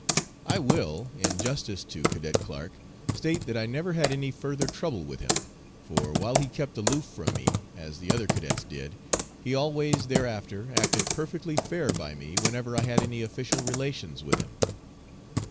I will, in justice to Cadet Clark, state that I never had any further trouble with him, for, while he kept aloof from me, as the other cadets did, he alway thereafter acted perfectly fair by me whenever I had any official relations with him.